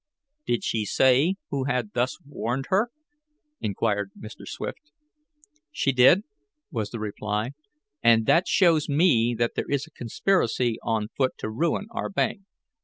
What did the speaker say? "Did she say who had thus warned her?" inquired Mr. Swift. "She did," was the reply, "and that shows me that there is a conspiracy on foot to ruin our bank.